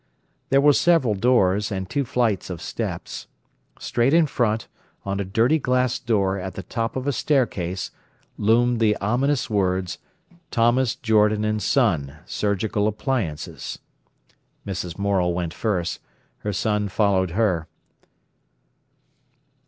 There were several doors, and two flights of steps. Straight in front, on a dirty glass door at the top of a staircase, loomed the ominous words "Thomas Jordan and Son—Surgical Appliances." Mrs. Morel went first, her son followed her.